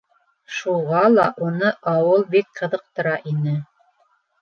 Шуға ла уны ауыл бик ҡыҙыҡтыра ине.